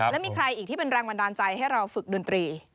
แล้วมีใครอีกที่เป็นแรงบันดาลใจให้เราฝึกดนตรี